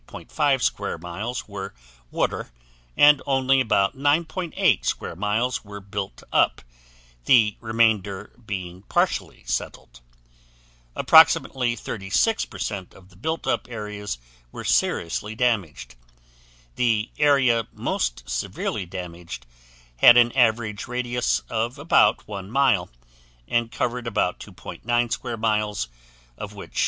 5 square miles were water and only about 9.8 square miles were built up, the remainder being partially settled. Approximately 36% of the built up areas were seriously damaged. The area most severely damaged had an average radius of about 1 mile, and covered about 2.9 square miles of which 2.